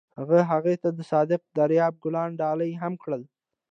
هغه هغې ته د صادق دریاب ګلان ډالۍ هم کړل.